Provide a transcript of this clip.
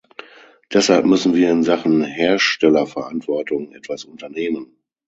Deshalb müssen wir in Sachen Herstellerverantwortung etwas unternehmen.